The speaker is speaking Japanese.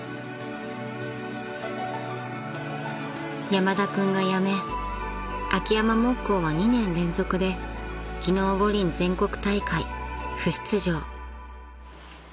［山田君が辞め秋山木工は２年連続で技能五輪全国大会不出場］